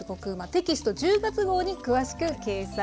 テキスト１０月号に詳しく掲載されています。